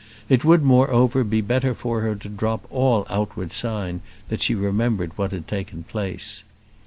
It would, moreover, be better for her to drop all outward sign that she remembered what had taken place.